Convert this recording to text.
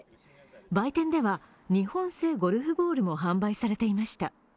売店では日本製ゴルフボールも販売されていました。